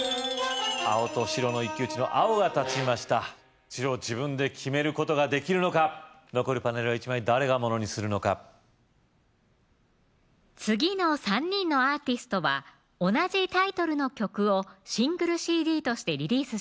青と白の一騎打ちの青が立ちました白自分で決めることができるのか残るパネルは１枚誰がものにするのか次の３人のアーティストは同じタイトルの曲をシングルＣＤとしてリリースしています